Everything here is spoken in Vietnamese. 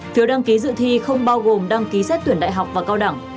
phiếu đăng ký dự thi không bao gồm đăng ký xét tuyển đại học và cao đẳng